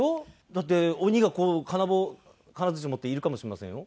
だって鬼がこう金棒金づち持っているかもしれませんよ。